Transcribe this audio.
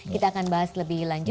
kita akan bahas lebih lanjut